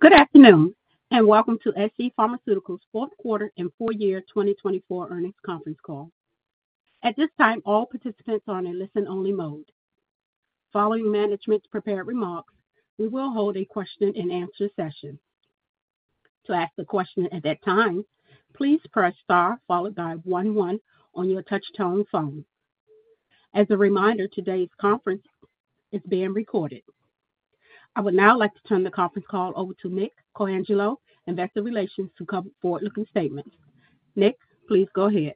Good afternoon, and welcome to scPharmaceuticals fourth quarter and full-year 2024 earnings conference call. At this time, all participants are in a listen-only mode. Following management's prepared remarks, we will hold a question-and-answer session. To ask a question at that time, please press star followed by one-one on your touch-tone phone. As a reminder, today's conference is being recorded. I would now like to turn the conference call over to Nick Colangelo of Investor Relations to cover forward-looking statements. Nick, please go ahead.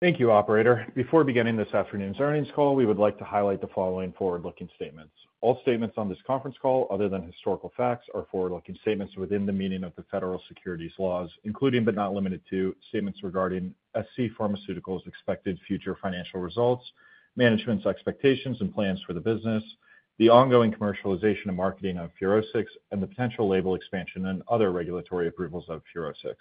Thank you, Operator. Before beginning this afternoon's earnings call, we would like to highlight the following forward-looking statements. All statements on this conference call, other than historical facts, are forward-looking statements within the meaning of the federal securities laws, including but not limited to statements regarding scPharmaceuticals expected future financial results, management's expectations and plans for the business, the ongoing commercialization and marketing of FUROSCIX, and the potential label expansion and other regulatory approvals of FUROSCIX.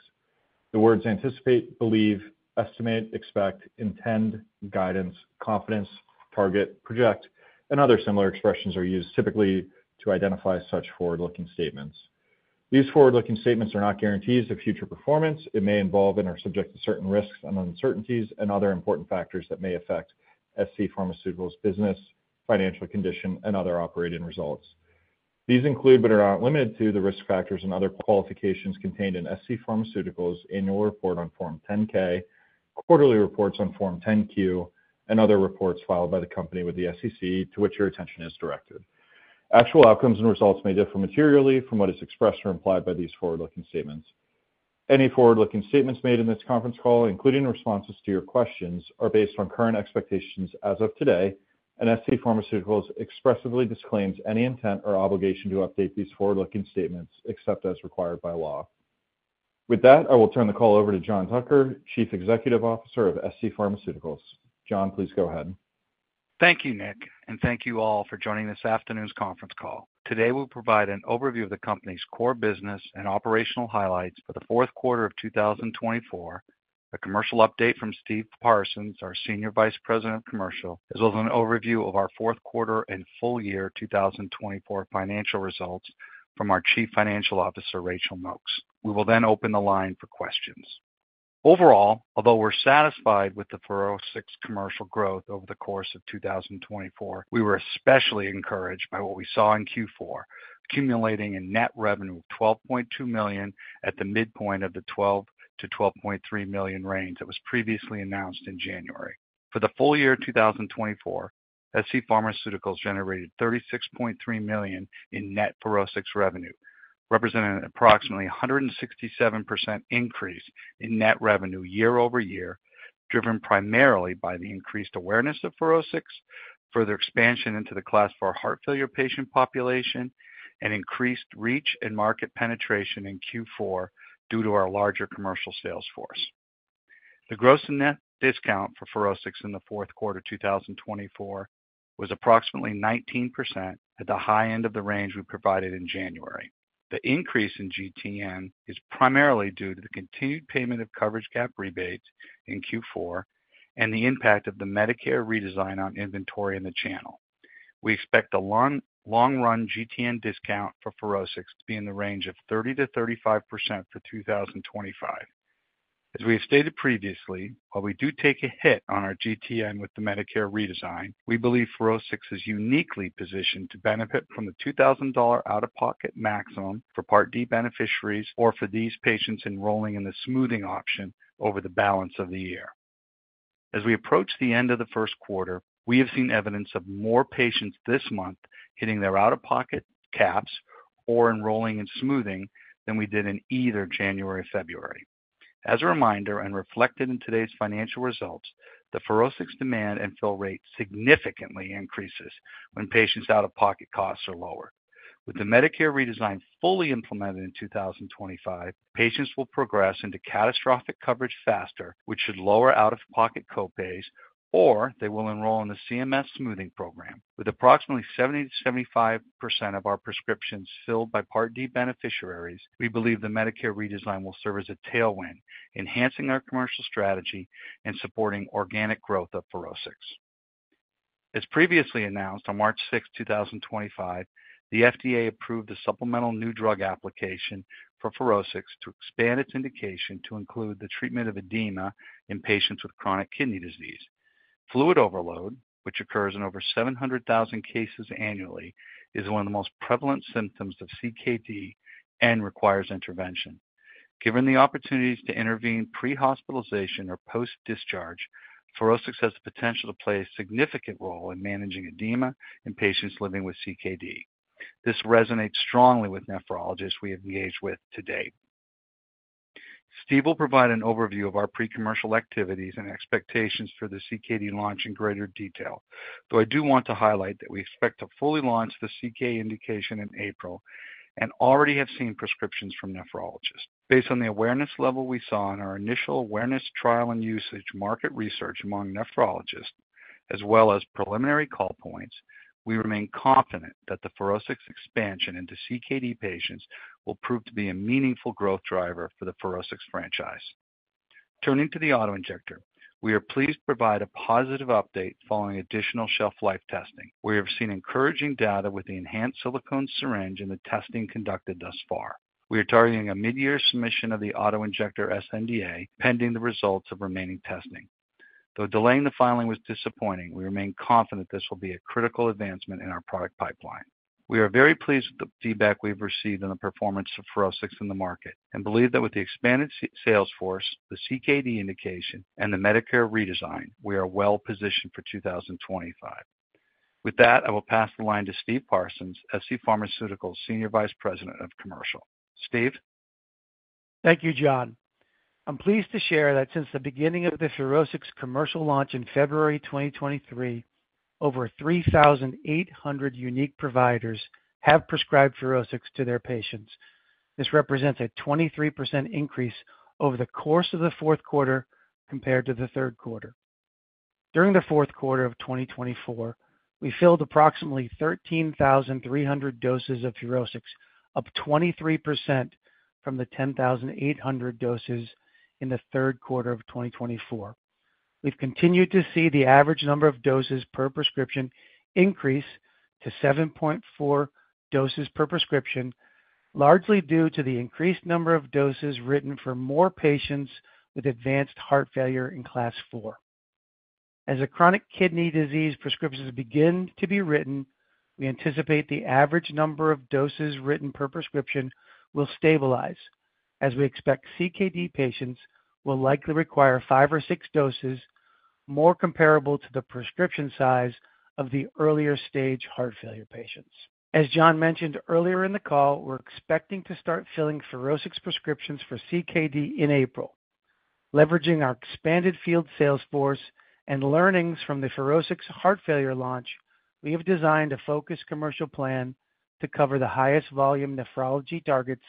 The words anticipate, believe, estimate, expect, intend, guidance, confidence, target, project, and other similar expressions are used typically to identify such forward-looking statements. These forward-looking statements are not guarantees of future performance. It may involve and are subject to certain risks and uncertainties and other important factors that may affect scPharmaceuticals business, financial condition, and other operating results. These include but are not limited to the risk factors and other qualifications contained in scPharmaceuticals annual report on Form 10-K, quarterly reports on Form 10-Q, and other reports filed by the company with the SEC to which your attention is directed. Actual outcomes and results may differ materially from what is expressed or implied by these forward-looking statements. Any forward-looking statements made in this conference call, including responses to your questions, are based on current expectations as of today, and scPharmaceuticals expressively disclaims any intent or obligation to update these forward-looking statements except as required by law. With that, I will turn the call over to John Tucker, CEO of scPharmaceuticals. John, please go ahead. Thank you, Nick, and thank you all for joining this afternoon's conference call. Today, we'll provide an overview of the company's core business and operational highlights for the fourth quarter of 2024, a commercial update from Steve Parsons, our SVP of Commercial, as well as an overview of our fourth quarter and full-year 2024 financial results from our CFO, Rachael Nokes. We will then open the line for questions. Overall, although we're satisfied with the FUROSCIX commercial growth over the course of 2024, we were especially encouraged by what we saw in Q4, accumulating a net revenue of $12.2 million at the midpoint of the $12 million-$12.3 million range that was previously announced in January. For the full year 2024, scPharmaceuticals generated $36.3 million in net FUROSCIX revenue, representing an approximately 167% increase in net revenue year-over-year, driven primarily by the increased awareness of FUROSCIX, further expansion into the Class IV heart failure patient population, and increased reach and market penetration in Q4 due to our larger commercial sales force. The gross-to-net discount for FUROSCIX in the fourth quarter 2024 was approximately 19% at the high end of the range we provided in January. The increase in GTN is primarily due to the continued payment of coverage gap rebates in Q4 and the impact of the Medicare redesign on inventory in the channel. We expect the long-run GTN discount for FUROSCIX to be in the range of 30%-35% for 2025. As we have stated previously, while we do take a hit on our GTN with the Medicare redesign, we believe FUROSCIX is uniquely positioned to benefit from the $2,000 out-of-pocket maximum for Part D beneficiaries or for these patients enrolling in the smoothing option over the balance of the year. As we approach the end of the first quarter, we have seen evidence of more patients this month hitting their out-of-pocket caps or enrolling in smoothing than we did in either January or February. As a reminder and reflected in today's financial results, the FUROSCIX demand and fill rate significantly increases when patients' out-of-pocket costs are lower. With the Medicare redesign fully implemented in 2025, patients will progress into catastrophic coverage faster, which should lower out-of-pocket copays, or they will enroll in the CMS smoothing program. With approximately 70%-75% of our prescriptions filled by Part D beneficiaries, we believe the Medicare redesign will serve as a tailwind, enhancing our commercial strategy and supporting organic growth of FUROSCIX. As previously announced on March 6, 2025, the FDA approved a supplemental new drug application for FUROSCIX to expand its indication to include the treatment of edema in patients with chronic kidney disease. Fluid overload, which occurs in over 700,000 cases annually, is one of the most prevalent symptoms of CKD and requires intervention. Given the opportunities to intervene pre-hospitalization or post-discharge, FUROSCIX has the potential to play a significant role in managing edema in patients living with CKD. This resonates strongly with nephrologists we have engaged with today. Steve will provide an overview of our pre-commercial activities and expectations for the CKD launch in greater detail, though I do want to highlight that we expect to fully launch the CKD indication in April and already have seen prescriptions from nephrologists. Based on the awareness level we saw in our initial awareness, trial, and usage market research among nephrologists, as well as preliminary call points, we remain confident that the FUROSCIX expansion into CKD patients will prove to be a meaningful growth driver for the FUROSCIX franchise. Turning to the autoinjector, we are pleased to provide a positive update following additional shelf-life testing. We have seen encouraging data with the enhanced silicone syringe and the testing conducted thus far. We are targeting a mid-year submission of the autoinjector sNDA pending the results of remaining testing. Though delaying the filing was disappointing, we remain confident this will be a critical advancement in our product pipeline. We are very pleased with the feedback we've received on the performance of FUROSCIX in the market and believe that with the expanded sales force, the CKD indication, and the Medicare redesign, we are well-positioned for 2025. With that, I will pass the line to Steve Parsons, scPharmaceuticals SVP of Commercial. Steve? Thank you, John. I'm pleased to share that since the beginning of the FUROSCIX commercial launch in February 2023, over 3,800 unique providers have prescribed FUROSCIX to their patients. This represents a 23% increase over the course of the fourth quarter compared to the third quarter. During the fourth quarter of 2024, we filled approximately 13,300 doses of FUROSCIX, up 23% from the 10,800 doses in the third quarter of 2024. We've continued to see the average number of doses per prescription increase to 7.4 doses per prescription, largely due to the increased number of doses written for more patients with advanced heart failure in Class IV. As chronic kidney disease prescriptions begin to be written, we anticipate the average number of doses written per prescription will stabilize, as we expect CKD patients will likely require five or six doses more comparable to the prescription size of the earlier-stage heart failure patients. As John mentioned earlier in the call, we're expecting to start filling FUROSCIX prescriptions for CKD in April. Leveraging our expanded field sales force and learnings from the FUROSCIX heart failure launch, we have designed a focused commercial plan to cover the highest volume nephrology targets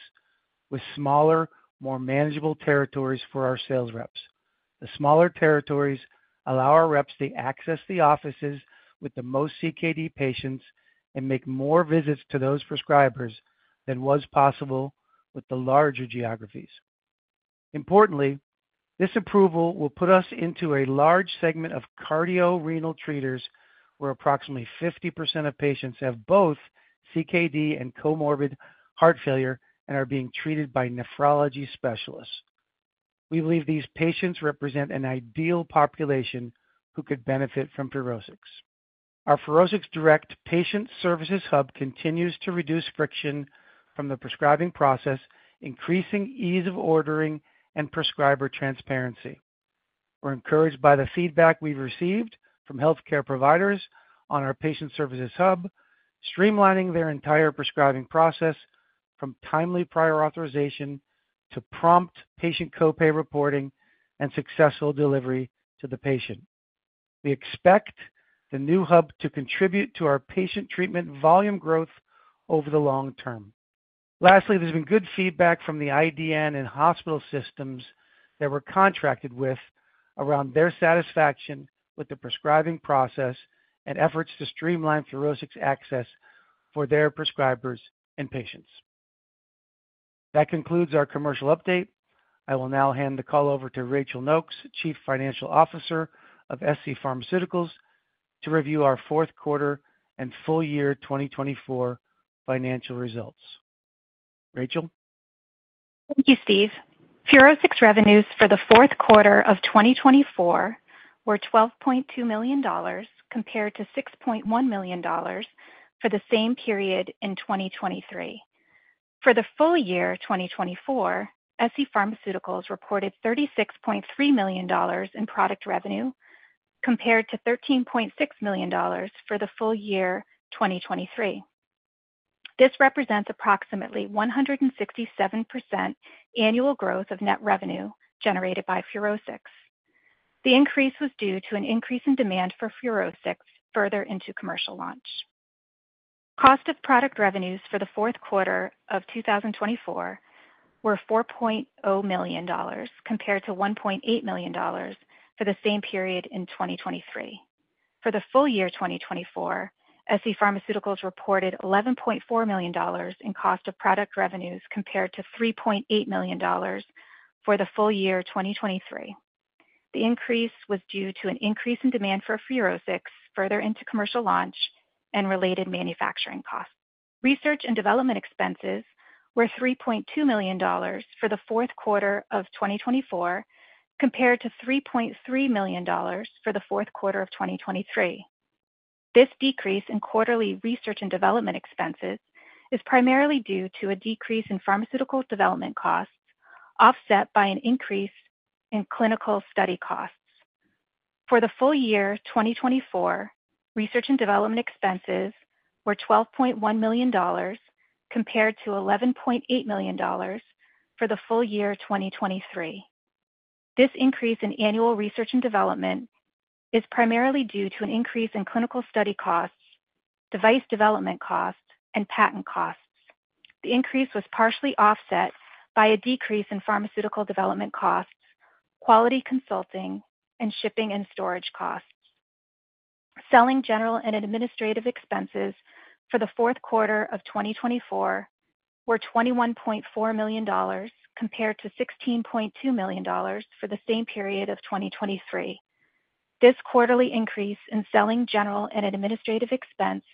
with smaller, more manageable territories for our sales reps. The smaller territories allow our reps to access the offices with the most CKD patients and make more visits to those prescribers than was possible with the larger geographies. Importantly, this approval will put us into a large segment of cardiorenal treaters where approximately 50% of patients have both CKD and comorbid heart failure and are being treated by nephrology specialists. We believe these patients represent an ideal population who could benefit from FUROSCIX. Our FUROSCIX Direct Patient Services Hub continues to reduce friction from the prescribing process, increasing ease of ordering and prescriber transparency. We're encouraged by the feedback we've received from healthcare providers on our Patient Services Hub, streamlining their entire prescribing process from timely prior authorization to prompt patient copay reporting and successful delivery to the patient. We expect the new hub to contribute to our patient treatment volume growth over the long term. Lastly, there's been good feedback from the IDN and hospital systems that we're contracted with around their satisfaction with the prescribing process and efforts to streamline FUROSCIX access for their prescribers and patients. That concludes our commercial update. I will now hand the call over to Rachael Nokes, CFO of scPharmaceuticals, to review our fourth quarter and full-year 2024 financial results. Rachael? Thank you, Steve. FUROSCIX revenues for the fourth quarter of 2024 were $12.2 million compared to $6.1 million for the same period in 2023. For the full year 2024, scPharmaceuticals reported $36.3 million in product revenue compared to $13.6 million for the full year 2023. This represents approximately 167% annual growth of net revenue generated by FUROSCIX. The increase was due to an increase in demand for FUROSCIX further into commercial launch. Cost of product revenues for the fourth quarter of 2024 were $4.0 million compared to $1.8 million for the same period in 2023. For the full year 2024, scPharmaceuticals reported $11.4 million in cost of product revenues compared to $3.8 million for the full year 2023. The increase was due to an increase in demand for FUROSCIX further into commercial launch and related manufacturing costs. Research and development expenses were $3.2 million for the fourth quarter of 2024 compared to $3.3 million for the fourth quarter of 2023. This decrease in quarterly research and development expenses is primarily due to a decrease in pharmaceutical development costs offset by an increase in clinical study costs. For the full year 2024, research and development expenses were $12.1 million compared to $11.8 million for the full year 2023. This increase in annual research and development is primarily due to an increase in clinical study costs, device development costs, and patent costs. The increase was partially offset by a decrease in pharmaceutical development costs, quality consulting, and shipping and storage costs. Selling, general and administrative expenses for the fourth quarter of 2024 were $21.4 million compared to $16.2 million for the same period of 2023. This quarterly increase in selling general and administrative expense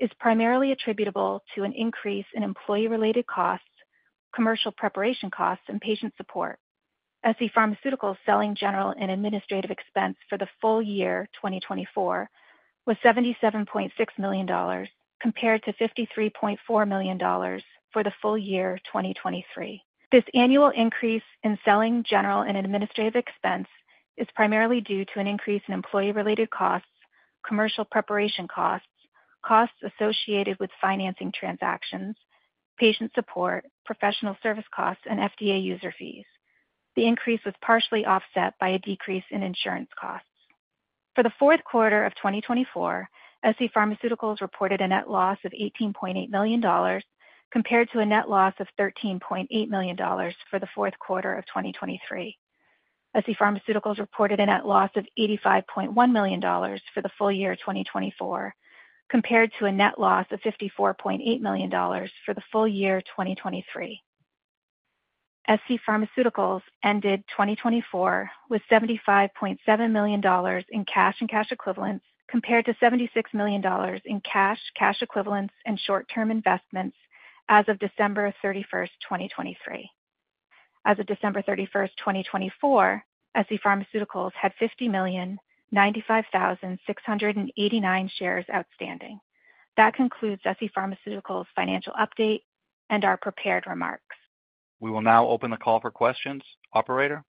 is primarily attributable to an increase in employee-related costs, commercial preparation costs, and patient support. scPharmaceuticals selling general and administrative expense for the full year 2024 was $77.6 million compared to $53.4 million for the full year 2023. This annual increase in selling general and administrative expense is primarily due to an increase in employee-related costs, commercial preparation costs, costs associated with financing transactions, patient support, professional service costs, and FDA user fees. The increase was partially offset by a decrease in insurance costs. For the fourth quarter of 2024, scPharmaceuticals reported a net loss of $18.8 million compared to a net loss of $13.8 million for the fourth quarter of 2023. scPharmaceuticals reported a net loss of $85.1 million for the full year 2024 compared to a net loss of $54.8 million for the full year 2023. scPharmaceuticals ended 2024 with $75.7 million in cash and cash equivalents compared to $76 million in cash, cash equivalents, and short-term investments as of December 31st, 2023. As of December 31st, 2024, scPharmaceuticals had 50,095,689 shares outstanding. That concludes scPharmaceuticals financial update and our prepared remarks. We will now open the call for questions. Operator?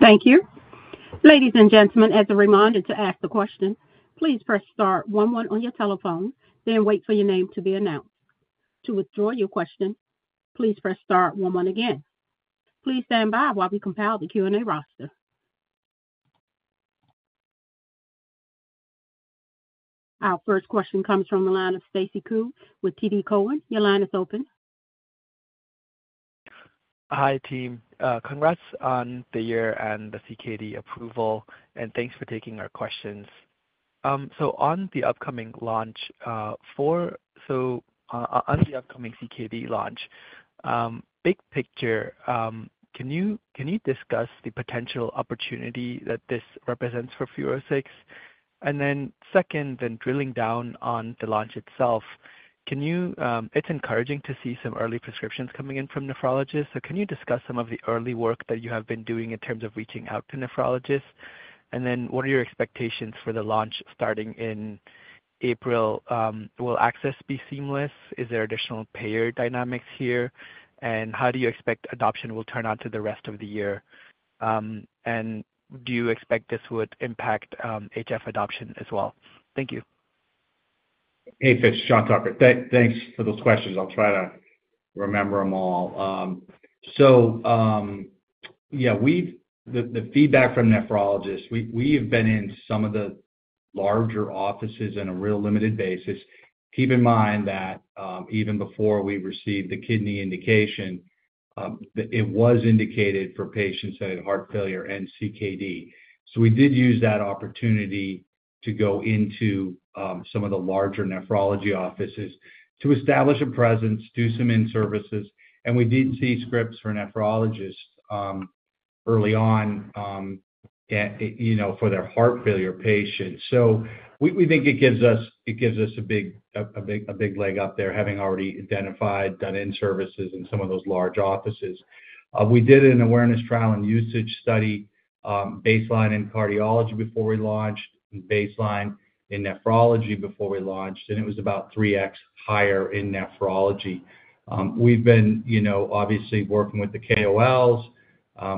Thank you. Ladies and gentlemen, as a reminder to ask the question, please press star 11 on your telephone, then wait for your name to be announced. To withdraw your question, please press star 11 again. Please stand by while we compile the Q&A roster. Our first question comes from the line of Stacy Ku with TD Cowen. Your line is open. Hi, team. Congrats on the year and the CKD approval, and thanks for taking our questions. On the upcoming launch, on the upcoming CKD launch, big picture, can you discuss the potential opportunity that this represents for FUROSCIX? Second, drilling down on the launch itself, can you—it's encouraging to see some early prescriptions coming in from nephrologists. Can you discuss some of the early work that you have been doing in terms of reaching out to nephrologists? What are your expectations for the launch starting in April? Will access be seamless? Is there additional payer dynamics here? How do you expect adoption will turn out for the rest of the year? Do you expect this would impact HF adoption as well? Thank you. Hey, it's John Tucker. Thanks for those questions. I'll try to remember them all. Yeah, the feedback from nephrologists, we have been in some of the larger offices on a real limited basis. Keep in mind that even before we received the kidney indication, it was indicated for patients that had heart failure and CKD. We did use that opportunity to go into some of the larger nephrology offices to establish a presence, do some in-services, and we did see scripts for nephrologists early on for their heart failure patients. We think it gives us a big leg up there having already identified, done in-services in some of those large offices. We did an awareness, trial, and usage study baseline in cardiology before we launched, baseline in nephrology before we launched, and it was about 3x higher in nephrology. We've been obviously working with the KOLs.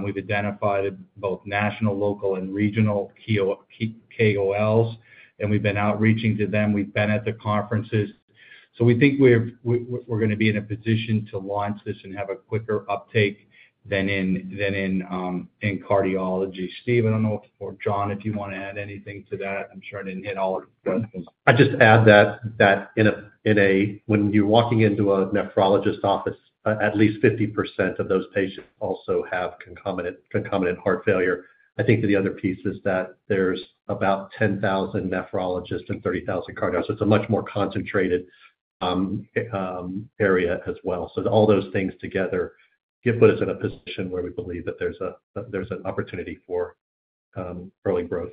We've identified both national, local, and regional KOLs, and we've been outreaching to them. We've been at the conferences. We think we're going to be in a position to launch this and have a quicker uptake than in cardiology. Steve, I don't know if, or John, if you want to add anything to that. I'm sure I didn't hit all of the questions. I'd just add that when you're walking into a nephrologist's office, at least 50% of those patients also have concomitant heart failure. I think the other piece is that there's about 10,000 nephrologists and 30,000 cardiologists. It's a much more concentrated area as well. All those things together put us in a position where we believe that there's an opportunity for early growth.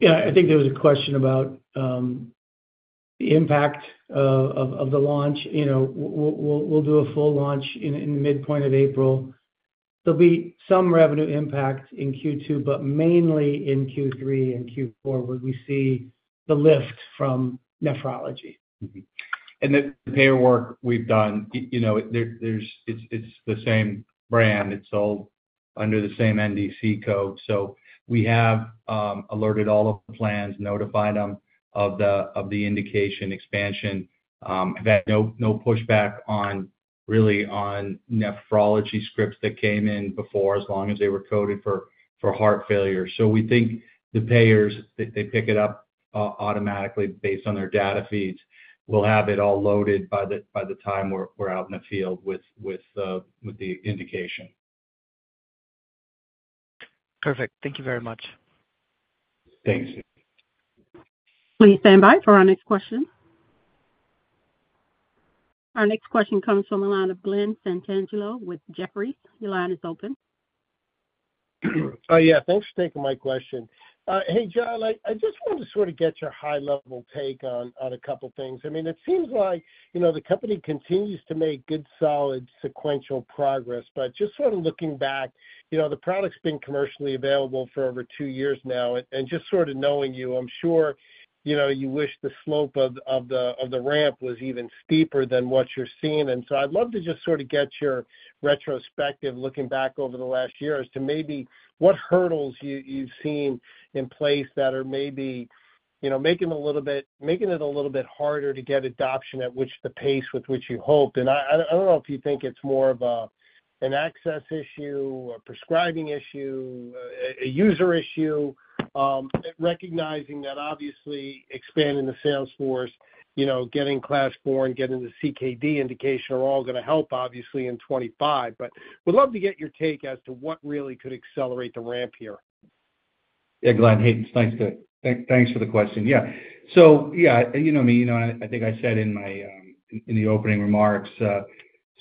Yeah, I think there was a question about the impact of the launch. We'll do a full launch in midpoint of April. There'll be some revenue impact in Q2, but mainly in Q3 and Q4, where we see the lift from nephrology. The payer work we've done, it's the same brand. It's all under the same NDC code. We have alerted all of the plans, notified them of the indication expansion. I've had no pushback really on nephrology scripts that came in before, as long as they were coded for heart failure. We think the payers, they pick it up automatically based on their data feeds. We'll have it all loaded by the time we're out in the field with the indication. Perfect. Thank you very much. Thanks. Please stand by for our next question. Our next question comes from Glen Santangelo with Jefferies. Your line is open. Yeah, thanks for taking my question. Hey, John, I just wanted to sort of get your high-level take on a couple of things. I mean, it seems like the company continues to make good, solid sequential progress, but just sort of looking back, the product's been commercially available for over two years now. I mean, just sort of knowing you, I'm sure you wish the slope of the ramp was even steeper than what you're seeing. I'd love to just sort of get your retrospective, looking back over the last years, to maybe what hurdles you've seen in place that are maybe making it a little bit harder to get adoption at the pace with which you hoped. I do not know if you think it is more of an access issue, a prescribing issue, a user issue, recognizing that obviously expanding the sales force, getting Class IV and getting the CKD indication are all going to help, obviously, in 2025. We would love to get your take as to what really could accelerate the ramp here. Yeah, Glen, thanks for the question. Yeah. Yeah, you know me, and I think I said in the opening remarks,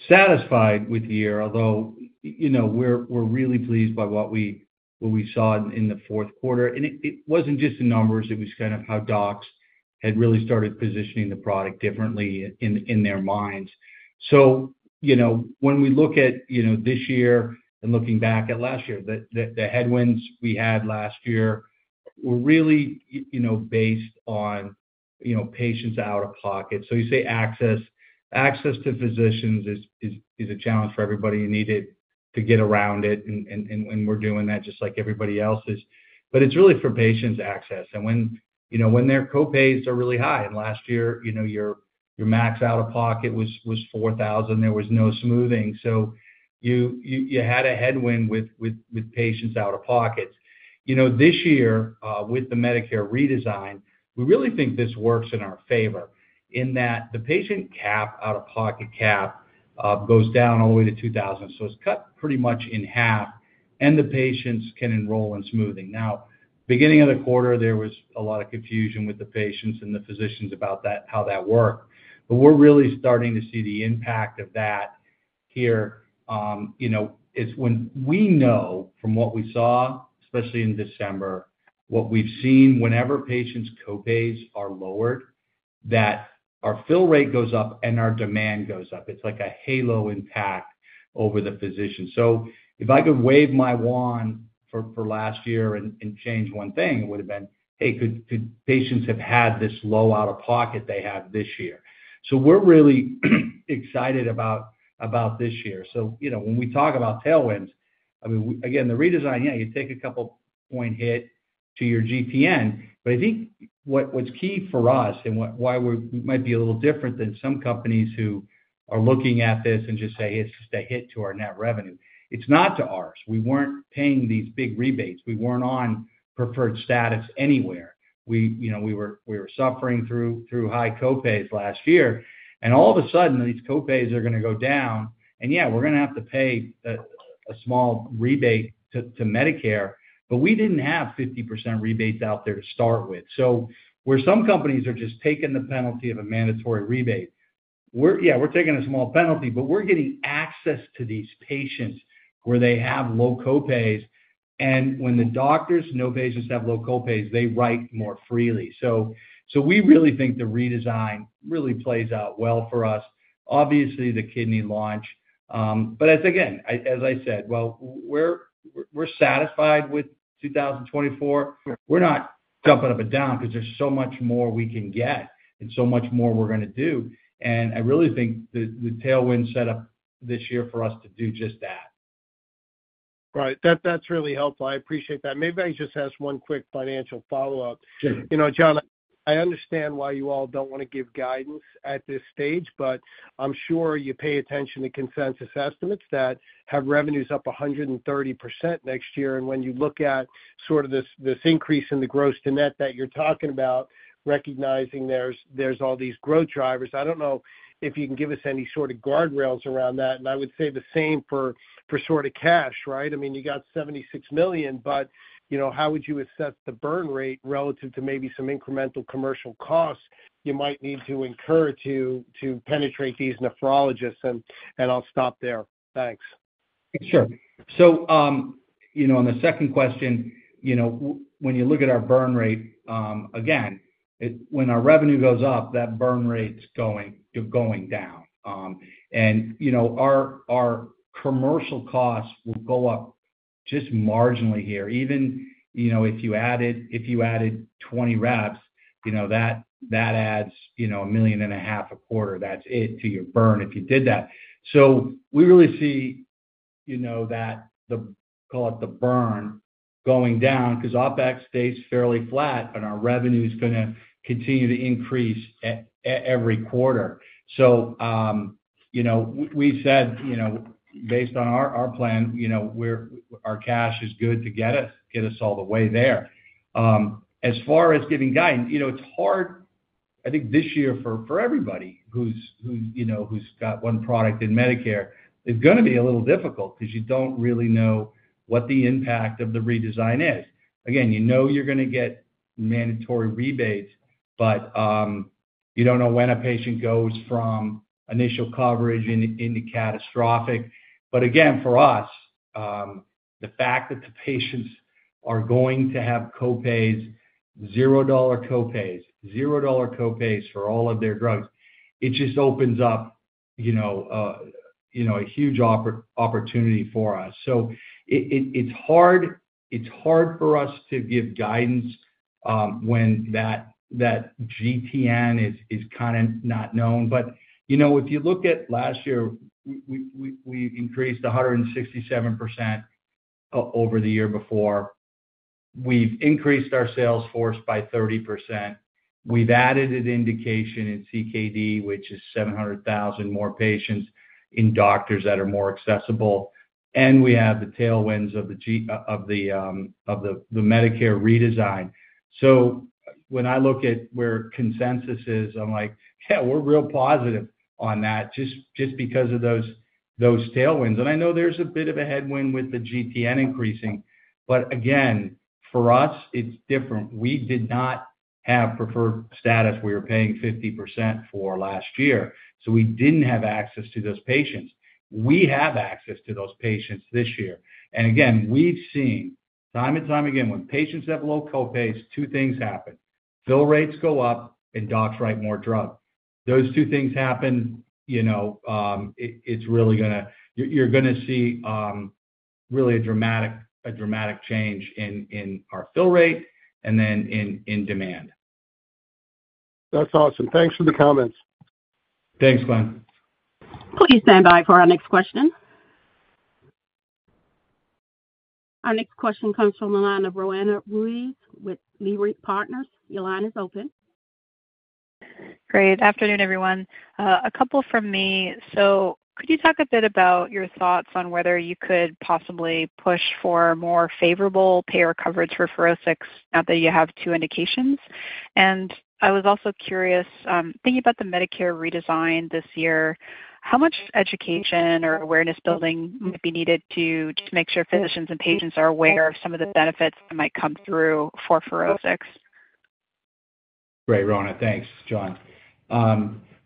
satisfied with the year, although we're really pleased by what we saw in the fourth quarter. It was not just the numbers. It was kind of how docs had really started positioning the product differently in their minds. When we look at this year and looking back at last year, the headwinds we had last year were really based on patients out of pocket. You say access. Access to physicians is a challenge for everybody. You need it to get around it, and we're doing that just like everybody else is. It is really for patients' access. When their copays are really high, and last year, your max out of pocket was $4,000. There was no smoothing. You had a headwind with patients out of pocket. This year, with the Medicare redesign, we really think this works in our favor in that the patient cap, out-of-pocket cap, goes down all the way to $2,000. It is cut pretty much in half, and the patients can enroll in smoothing. Now, beginning of the quarter, there was a lot of confusion with the patients and the physicians about how that worked. We are really starting to see the impact of that here. It is when we know from what we saw, especially in December, what we have seen whenever patients' copays are lowered, that our fill rate goes up and our demand goes up. It is like a halo impact over the physician. If I could wave my wand for last year and change one thing, it would have been, "Hey, could patients have had this low out-of-pocket they have this year?" We are really excited about this year. When we talk about tailwinds, I mean, again, the redesign, yeah, you take a couple-point hit to your GTN. I think what is key for us and why we might be a little different than some companies who are looking at this and just say, "It is just a hit to our net revenue." It is not to ours. We were not paying these big rebates. We were not on preferred status anywhere. We were suffering through high copays last year. All of a sudden, these copays are going to go down. Yeah, we're going to have to pay a small rebate to Medicare, but we didn't have 50% rebates out there to start with. Where some companies are just taking the penalty of a mandatory rebate, yeah, we're taking a small penalty, but we're getting access to these patients where they have low copays. When the doctors know patients have low copays, they write more freely. We really think the redesign really plays out well for us. Obviously, the kidney launch. Again, as I said, we're satisfied with 2024. We're not jumping up and down because there's so much more we can get and so much more we're going to do. I really think the tailwind set up this year for us to do just that. Right. That's really helpful. I appreciate that. Maybe I just ask one quick financial follow-up. John, I understand why you all don't want to give guidance at this stage, but I'm sure you pay attention to consensus estimates that have revenues up 130% next year. When you look at sort of this increase in the gross-to-net that you're talking about, recognizing there's all these growth drivers, I don't know if you can give us any sort of guardrails around that. I would say the same for sort of cash, right? I mean, you got $76 million, but how would you assess the burn rate relative to maybe some incremental commercial costs you might need to incur to penetrate these nephrologists? I'll stop there. Thanks. Sure. On the second question, when you look at our burn rate, again, when our revenue goes up, that burn rate's going down. Our commercial costs will go up just marginally here. Even if you added 20 reps, that adds $1.5 million a quarter. That's it to your burn if you did that. We really see that, call it the burn, going down because OpEx stays fairly flat, and our revenue is going to continue to increase every quarter. We said, based on our plan, our cash is good to get us all the way there. As far as getting guidance, it's hard, I think, this year for everybody who's got one product in Medicare. It's going to be a little difficult because you don't really know what the impact of the redesign is. Again, you know you're going to get mandatory rebates, but you don't know when a patient goes from initial coverage into catastrophic. Again, for us, the fact that the patients are going to have copays, zero-dollar copays, zero-dollar copays for all of their drugs, it just opens up a huge opportunity for us. It's hard for us to give guidance when that GTN is kind of not known. If you look at last year, we increased 167% over the year before. We've increased our sales force by 30%. We've added an indication in CKD, which is 700,000 more patients in doctors that are more accessible. We have the tailwinds of the Medicare redesign. When I look at where consensus is, I'm like, "Yeah, we're real positive on that just because of those tailwinds." I know there's a bit of a headwind with the GTN increasing. Again, for us, it's different. We did not have preferred status. We were paying 50% for last year. We didn't have access to those patients. We have access to those patients this year. Again, we've seen time and time again, when patients have low copays, two things happen. Fill rates go up and docs write more drug. Those two things happen. It's really going to—you are going to see really a dramatic change in our fill rate and then in demand. That's awesome. Thanks for the comments. Thanks, Glenn. Please stand by for our next question. Our next question comes from Roanna Ruiz with Leerink Partners. Your line is open. Great. Afternoon, everyone. A couple from me. Could you talk a bit about your thoughts on whether you could possibly push for more favorable payer coverage for FUROSCIX now that you have two indications? I was also curious, thinking about the Medicare redesign this year, how much education or awareness building might be needed to make sure physicians and patients are aware of some of the benefits that might come through for FUROSCIX? Right. Roanna, thanks, John.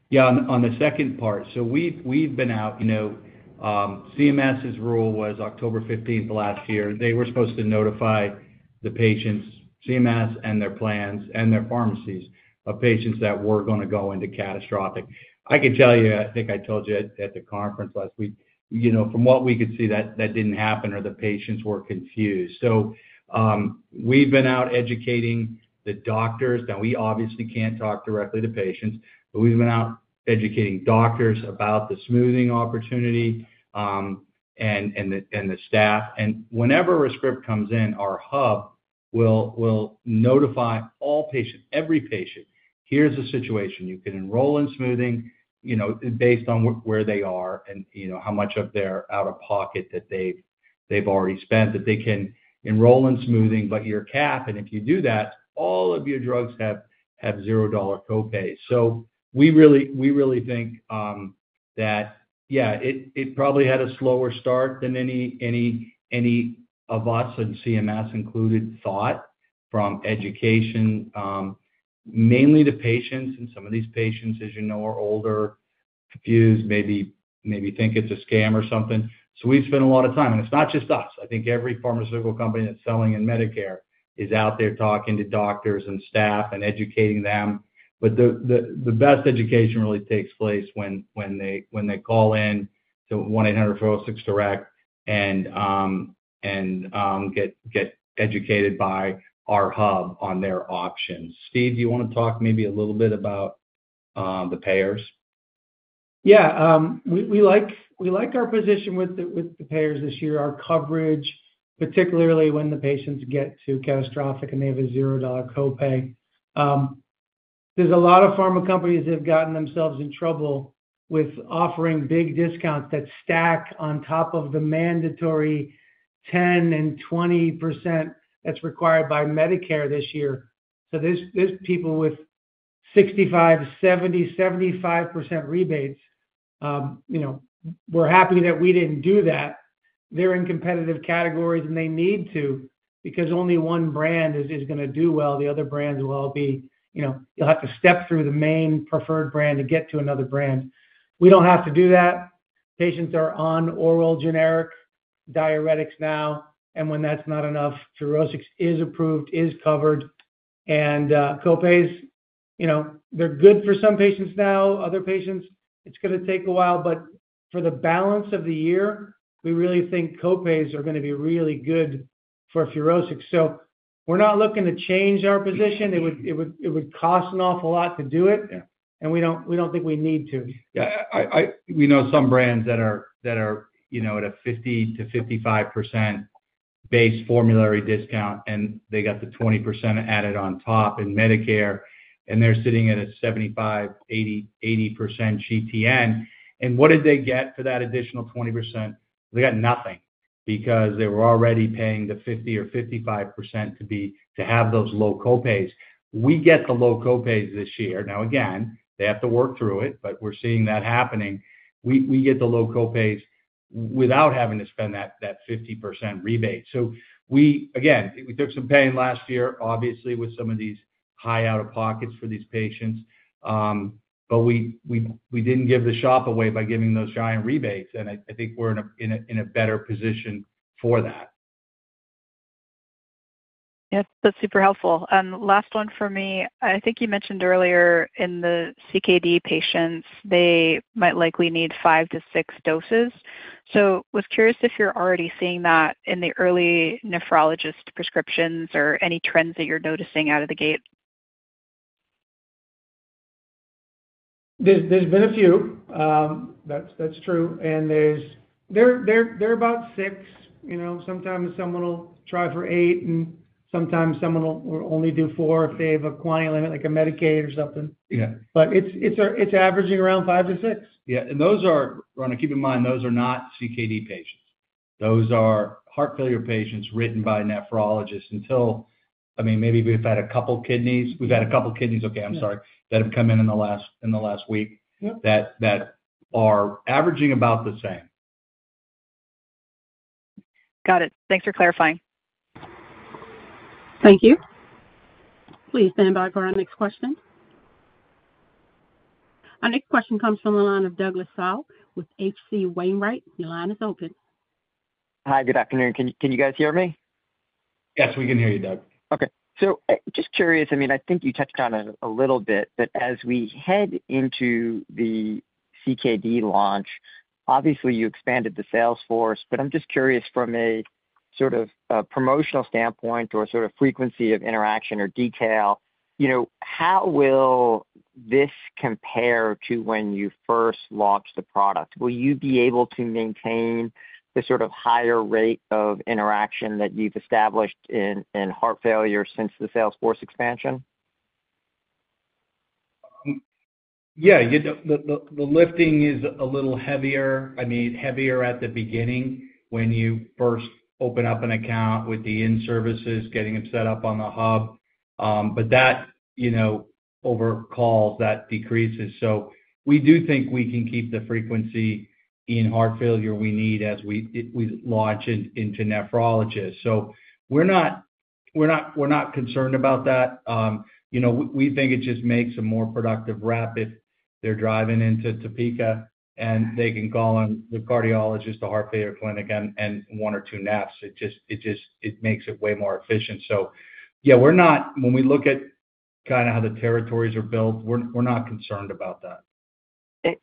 Yeah, on the second part, we've been out. CMS's rule was October 15th last year. They were supposed to notify the patients, CMS and their plans and their pharmacies, of patients that were going to go into catastrophic. I can tell you, I think I told you at the conference last week, from what we could see, that did not happen or the patients were confused. We've been out educating the doctors. Now, we obviously can't talk directly to patients, but we've been out educating doctors about the smoothing opportunity and the staff. Whenever a script comes in, our hub will notify all patients, every patient, "Here's the situation. You can enroll in smoothing based on where they are and how much of their out-of-pocket that they've already spent, that they can enroll in smoothing, but your cap, and if you do that, all of your drugs have zero-dollar copays. We really think that, yeah, it probably had a slower start than any of us, and CMS included, thought from education. Mainly the patients, and some of these patients, as you know, are older, confused, maybe think it's a scam or something. We spend a lot of time. It is not just us. I think every pharmaceutical company that's selling in Medicare is out there talking to doctors and staff and educating them. The best education really takes place when they call in to 1-800-FUROSCIX-DIRECT and get educated by our hub on their options. Steve, do you want to talk maybe a little bit about the payers? Yeah. We like our position with the payers this year, our coverage, particularly when the patients get to catastrophic and they have a zero-dollar copay. There are a lot of pharma companies that have gotten themselves in trouble with offering big discounts that stack on top of the mandatory 10% and 20% that's required by Medicare this year. There are people with 65%, 70%, 75% rebates. We're happy that we didn't do that. They're in competitive categories, and they need to because only one brand is going to do well. The other brands will all be—you'll have to step through the main preferred brand to get to another brand. We don't have to do that. Patients are on oral generic diuretics now. When that's not enough, FUROSCIX is approved, is covered. Copays, they're good for some patients now. Other patients, it's going to take a while. For the balance of the year, we really think copays are going to be really good for FUROSCIX. We are not looking to change our position. It would cost an awful lot to do it, and we do not think we need to. Yeah. We know some brands that are at a 50%-55% base formulary discount, and they got the 20% added on top in Medicare, and they're sitting at a 75%-80% GTN. And what did they get for that additional 20%? They got nothing because they were already paying the 50 or 55% to have those low copays. We get the low copays this year. Now, again, they have to work through it, but we're seeing that happening. We get the low copays without having to spend that 50% rebate. Again, we took some pain last year, obviously, with some of these high out-of-pockets for these patients. We did not give the shop away by giving those giant rebates. I think we're in a better position for that. Yep. That's super helpful. Last one for me. I think you mentioned earlier in the CKD patients, they might likely need five to six doses. I was curious if you're already seeing that in the early nephrologist prescriptions or any trends that you're noticing out of the gate. There's been a few. That's true. And they're about six. Sometimes someone will try for eight, and sometimes someone will only do four if they have a quantity limit like a Medicaid or something. But it's averaging around five to six. Yeah. Those are, Roanna, keep in mind, those are not CKD patients. Those are heart failure patients written by nephrologists until, I mean, maybe we've had a couple of kidneys. We've had a couple of kidneys, okay, I'm sorry, that have come in in the last week that are averaging about the same. Got it. Thanks for clarifying. Thank you. Please stand by for our next question. Our next question comes from the line of Douglas Tsao with H.C. Wainwright. Your line is open. Hi. Good afternoon. Can you guys hear me? Yes, we can hear you, Doug. Okay. Just curious, I mean, I think you touched on it a little bit, but as we head into the CKD launch, obviously, you expanded the sales force. I'm just curious from a sort of promotional standpoint or sort of frequency of interaction or detail, how will this compare to when you first launched the product? Will you be able to maintain the sort of higher rate of interaction that you've established in heart failure since the sales force expansion? Yeah. The lifting is a little heavier, I mean, heavier at the beginning when you first open up an account with the in-services, getting it set up on the hub. That decreases over calls. We do think we can keep the frequency in heart failure we need as we launch into nephrologists. We're not concerned about that. We think it just makes them more productive rapid. They're driving into Topeka, and they can call in the cardiologist, the heart failure clinic, and one or two nephs. It makes it way more efficient. Yeah, when we look at kind of how the territories are built, we're not concerned about that.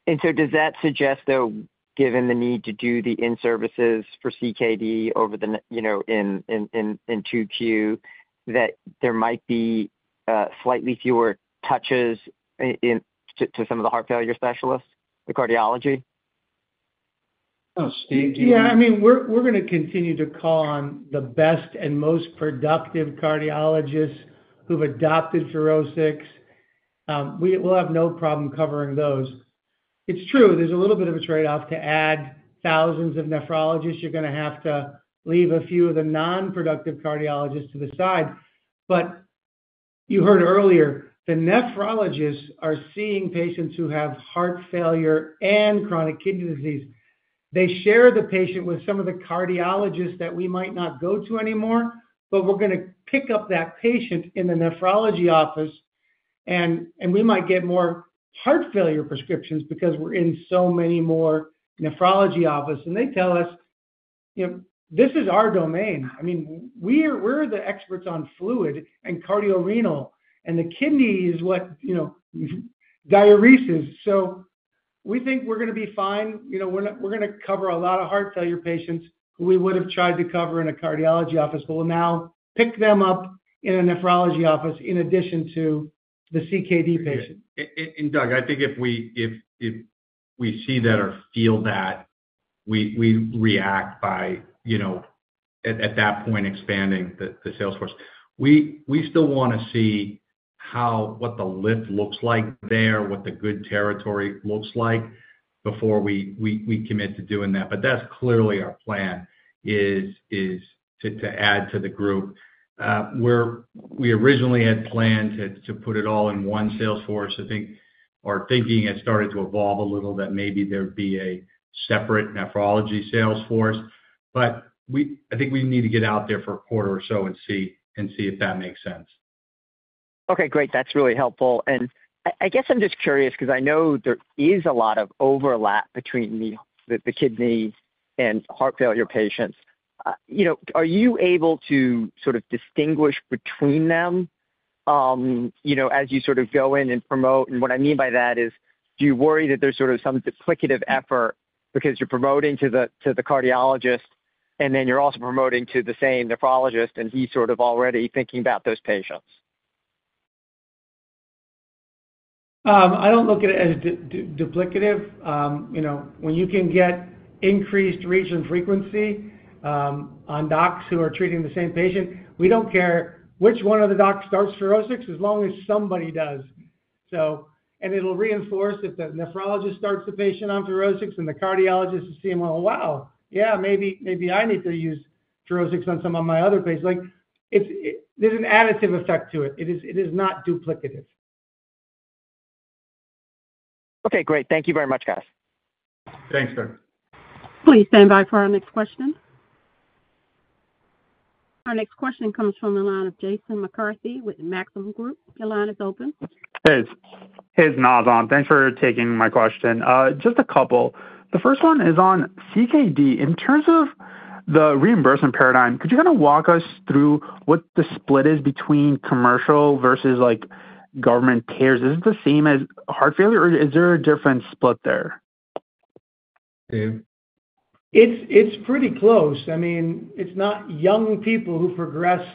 Does that suggest, though, given the need to do the in-services for CKD over in 2Q, that there might be slightly fewer touches to some of the heart failure specialists, the cardiology? Oh, Steve, do you? Yeah. I mean, we're going to continue to call on the best and most productive cardiologists who've adopted FUROSCIX. We'll have no problem covering those. It's true. There's a little bit of a trade-off to add thousands of nephrologists. You're going to have to leave a few of the non-productive cardiologists to the side. You heard earlier, the nephrologists are seeing patients who have heart failure and chronic kidney disease. They share the patient with some of the cardiologists that we might not go to anymore, but we're going to pick up that patient in the nephrology office, and we might get more heart failure prescriptions because we're in so many more nephrology offices. They tell us, "This is our domain. I mean, we're the experts on fluid and cardiorenal, and the kidney is what diuresis." We think we're going to be fine. We're going to cover a lot of heart failure patients who we would have tried to cover in a cardiology office, but we'll now pick them up in a nephrology office in addition to the CKD patient. Doug, I think if we see that or feel that, we react by, at that point, expanding the sales force. We still want to see what the lift looks like there, what the good territory looks like before we commit to doing that. That is clearly our plan, to add to the group. We originally had planned to put it all in one sales force. I think our thinking has started to evolve a little that maybe there would be a separate nephrology sales force. I think we need to get out there for a quarter or so and see if that makes sense. Okay. Great. That's really helpful. I guess I'm just curious because I know there is a lot of overlap between the kidney and heart failure patients. Are you able to sort of distinguish between them as you sort of go in and promote? What I mean by that is, do you worry that there's sort of some duplicative effort because you're promoting to the cardiologist, and then you're also promoting to the same nephrologist, and he's sort of already thinking about those patients? I don't look at it as duplicative. When you can get increased reach and frequency on docs who are treating the same patient, we don't care which one of the docs starts FUROSCIX as long as somebody does. It will reinforce if the nephrologist starts the patient on FUROSCIX and the cardiologist is seeing him, "Oh, wow. Yeah, maybe I need to use FUROSCIX on some of my other patients." There is an additive effect to it. It is not duplicative. Okay. Great. Thank you very much, guys. Thanks, Doug. Please stand by for our next question. Our next question comes from the line of Jason McCarthy with Maxim Group. Your line is open. Hey. It's Naz Rahman. Thanks for taking my question. Just a couple. The first one is on CKD. In terms of the reimbursement paradigm, could you kind of walk us through what the split is between commercial versus government peers? Is it the same as heart failure, or is there a different split there? It's pretty close. I mean, it's not young people who progress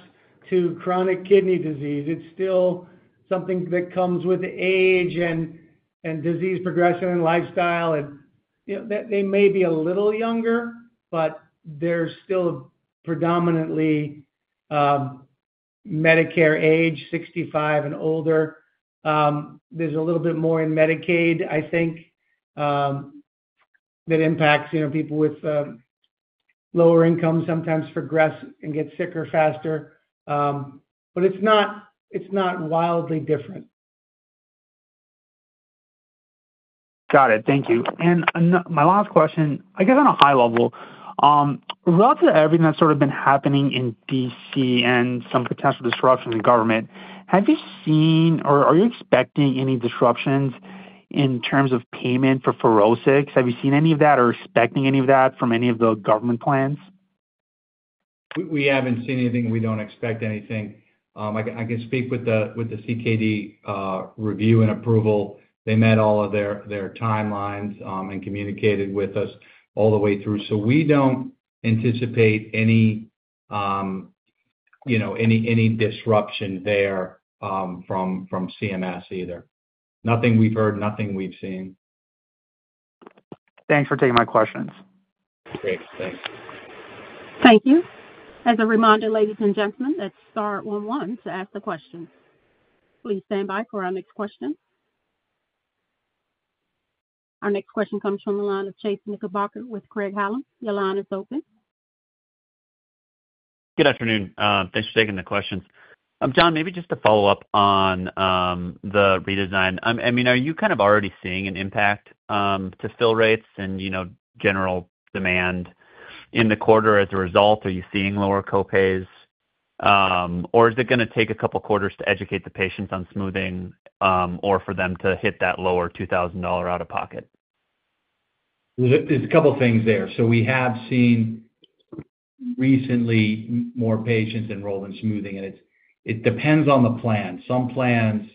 to chronic kidney disease. It's still something that comes with age and disease progression and lifestyle. They may be a little younger, but they're still predominantly Medicare age, 65 and older. There's a little bit more in Medicaid, I think, that impacts people with lower income sometimes progress and get sicker faster. It's not wildly different. Got it. Thank you. My last question, I guess on a high level, relative to everything that's sort of been happening in DC and some potential disruptions in government, have you seen or are you expecting any disruptions in terms of payment for FUROSCIX? Have you seen any of that or expecting any of that from any of the government plans? We haven't seen anything. We don't expect anything. I can speak with the CKD review and approval. They met all of their timelines and communicated with us all the way through. We don't anticipate any disruption there from CMS either. Nothing we've heard, nothing we've seen. Thanks for taking my questions. Great. Thanks. Thank you. As a reminder, ladies and gentlemen, that's star 11 to ask the question. Please stand by for our next question. Our next question comes from the line of Chase Knickerbocker with Craig-Hallum. Your line is open. Good afternoon. Thanks for taking the questions. John, maybe just to follow up on the redesign. I mean, are you kind of already seeing an impact to fill rates and general demand in the quarter as a result? Are you seeing lower copays? Or is it going to take a couple of quarters to educate the patients on smoothing or for them to hit that lower $2,000 out of pocket? is a couple of things there. We have seen recently more patients enrolled in smoothing, and it depends on the plan. Some plans,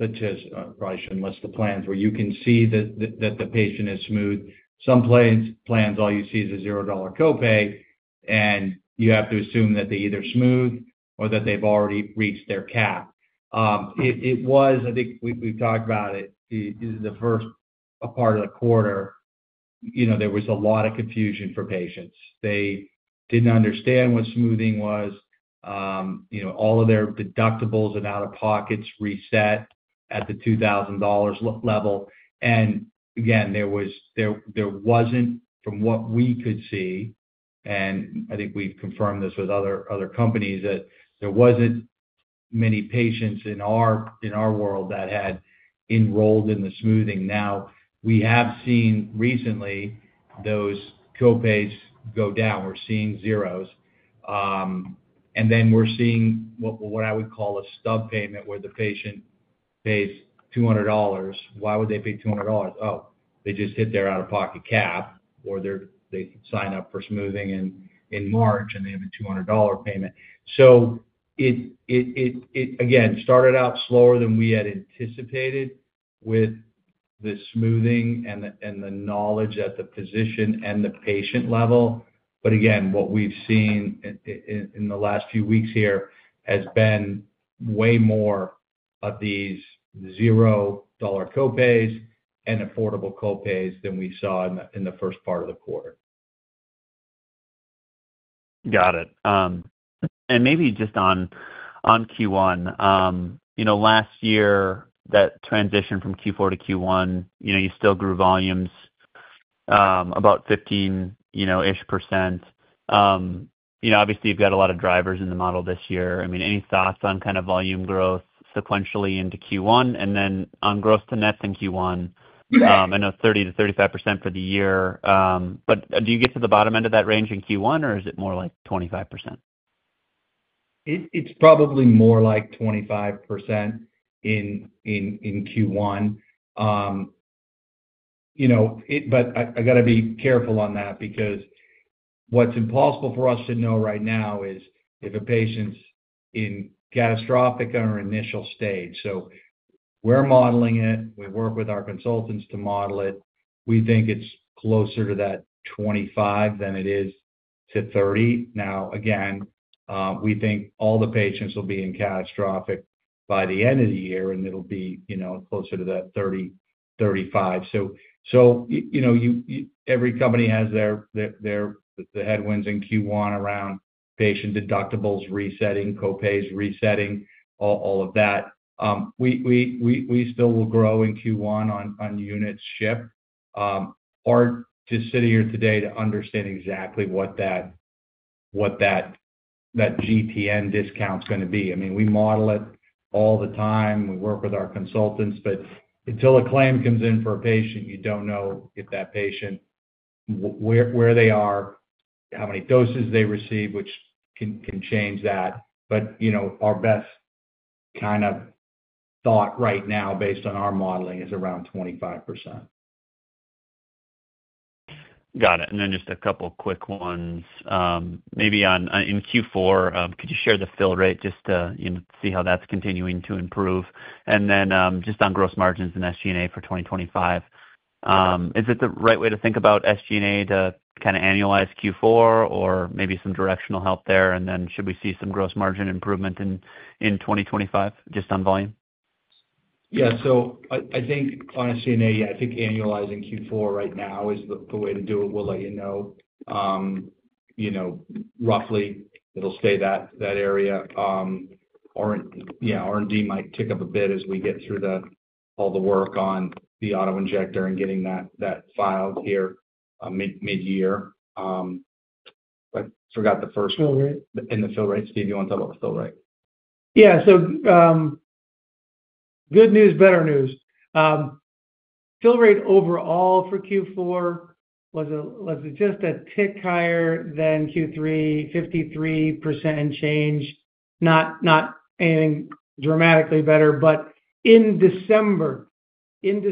such as—I probably should not list the plans—where you can see that the patient is smoothed. Some plans, all you see is a $0 copay, and you have to assume that they either smoothed or that they have already reached their cap. I think we have talked about it, the first part of the quarter, there was a lot of confusion for patients. They did not understand what smoothing was. All of their deductibles and out-of-pockets reset at the $2,000 level. Again, there was not, from what we could see, and I think we have confirmed this with other companies, that there were not many patients in our world that had enrolled in the smoothing. Now, we have seen recently those copays go down. We are seeing zeros. We're seeing what I would call a stub payment where the patient pays $200. Why would they pay $200? Oh, they just hit their out-of-pocket cap, or they sign up for smoothing in March, and they have a $200 payment. It, again, started out slower than we had anticipated with the smoothing and the knowledge at the physician and the patient level. What we've seen in the last few weeks here has been way more of these $0 copays and affordable copays than we saw in the first part of the quarter. Got it. Maybe just on Q1, last year, that transition from Q4 to Q1, you still grew volumes about 15% percent. Obviously, you've got a lot of drivers in the model this year. I mean, any thoughts on kind of volume growth sequentially into Q1? On gross to nets in Q1, I know 30%-35% for the year. Do you get to the bottom end of that range in Q1, or is it more like 25%? It's probably more like 25% in Q1. I got to be careful on that because what's impossible for us to know right now is if a patient's in catastrophic or initial stage. We're modeling it. We work with our consultants to model it. We think it's closer to that 25% than it is to 30%. We think all the patients will be in catastrophic by the end of the year, and it'll be closer to that 30%-35%. Every company has their headwinds in Q1 around patient deductibles resetting, copays resetting, all of that. We still will grow in Q1 on unit ship. Hard to sit here today to understand exactly what that GTN discount's going to be. I mean, we model it all the time. We work with our consultants. Until a claim comes in for a patient, you do not know if that patient, where they are, how many doses they receive, which can change that. Our best kind of thought right now, based on our modeling, is around 25%. Got it. Just a couple of quick ones. Maybe in Q4, could you share the fill rate just to see how that's continuing to improve? Just on gross margins and SG&A for 2025, is it the right way to think about SG&A to kind of annualize Q4 or maybe some directional help there? Should we see some gross margin improvement in 2025, just on volume? Yeah. I think on SG&A, I think annualizing Q4 right now is the way to do it. We'll let you know. Roughly, it'll stay that area. R&D might tick up a bit as we get through all the work on the autoinjector and getting that filed here mid-year. I forgot the first one. The fill rate, Steve, you want to talk about the fill rate? Yeah. Good news, better news. Fill rate overall for Q4 was just a tick higher than Q3, 53% and change. Not anything dramatically better. In December, this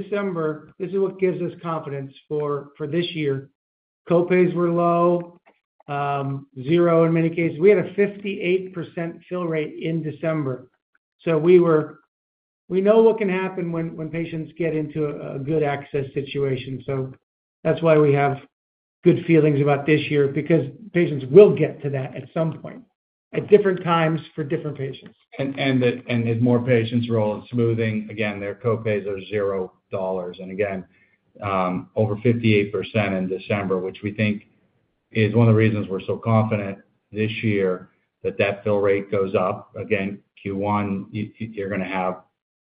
is what gives us confidence for this year. Copays were low, zero in many cases. We had a 58% fill rate in December. We know what can happen when patients get into a good access situation. That is why we have good feelings about this year because patients will get to that at some point, at different times for different patients. As more patients enroll in smoothing, again, their copays are $0. Again, over 58% in December, which we think is one of the reasons we're so confident this year that that fill rate goes up. Q1, you're going to have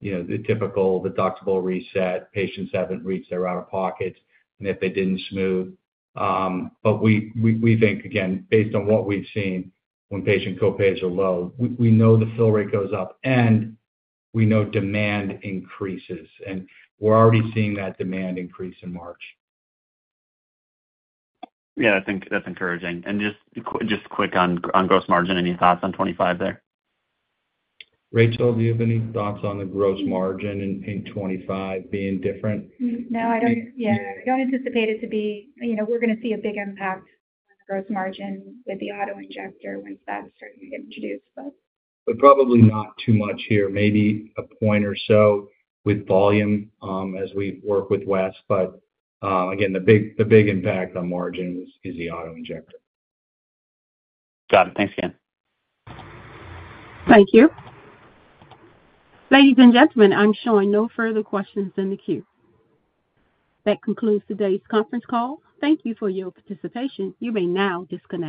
the typical deductible reset. Patients haven't reached their out-of-pockets and if they didn't smooth. We think, again, based on what we've seen, when patient copays are low, we know the fill rate goes up, and we know demand increases. We're already seeing that demand increase in March. Yeah. I think that's encouraging. Just quick on gross margin, any thoughts on 2025 there? Rachael, do you have any thoughts on the gross margin in 25 being different? No, I don't. Yeah. I don't anticipate it to be, we're going to see a big impact on the gross margin with the autoinjector once that's introduced. Probably not too much here. Maybe a point or so with volume as we work with West. Again, the big impact on margin is the autoinjector. Got it. Thanks again. Thank you. Ladies and gentlemen, I'm showing no further questions in the queue. That concludes today's conference call. Thank you for your participation. You may now disconnect.